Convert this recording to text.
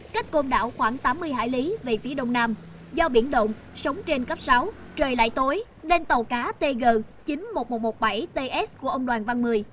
cách côn đảo khoảng tám mươi hải lý về phía đông nam do biển động sống trên cấp sáu trời lại tối nên tàu cá tg chín mươi một nghìn một trăm một mươi bảy ts của ông đoàn văn mười